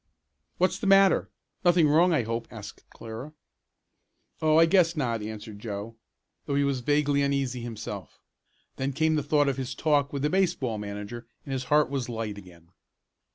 "What's the matter; nothing wrong I hope?" asked Clara. "Oh, I guess not," answered Joe, though he was vaguely uneasy himself. Then came the thought of his talk with the baseball manager and his heart was light again.